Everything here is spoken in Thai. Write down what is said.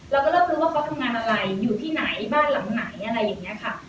เราก็เริ่มรู้ว่าเขาทำงานอะไรอยู่ที่ไหนบ้านหลังไหนอะไรอย่างนี้ค่ะ